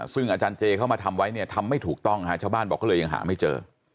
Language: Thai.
ซึ่งอาจารย์เจเข้ามาทำไว้เนี่ยทำไม่ถูกต้องชาวบ้านบอกก็เลยยังหาไม่เจอ